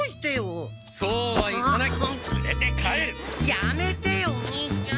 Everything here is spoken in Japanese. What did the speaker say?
やめてよお兄ちゃん！